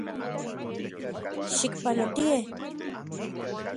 Xipanotie.